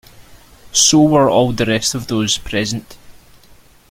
So were all the rest of those present.